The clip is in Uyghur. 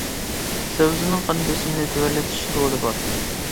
سەۋزىنىڭ قان بېسىمىنى تۆۋەنلىتىش رولى بار.